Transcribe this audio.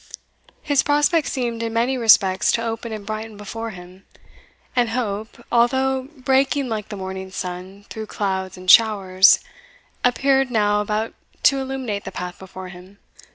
His prospects seemed in many respects to open and brighten before him and hope, although breaking like the morning sun through clouds and showers, appeared now about to illuminate the path before him.